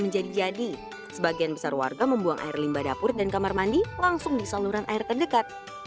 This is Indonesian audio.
jadi sebagian besar warga membuang air limba dapur dan kamar mandi langsung di saluran air terdekat